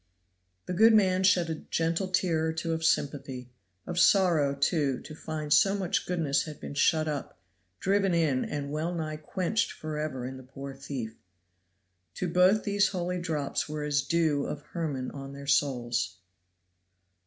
The good man shed a gentle tear or two of sympathy of sorrow, too, to find so much goodness had been shut up, driven in and wellnigh quenched forever in the poor thief. To both these holy drops were as the dew of Hermon on their souls.